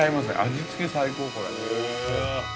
味つけ最高、これ。